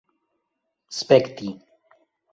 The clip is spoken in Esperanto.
spekti